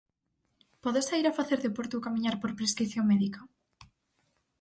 Podo saír a facer deporte ou camiñar por prescrición médica?